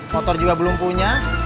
motor juga belum punya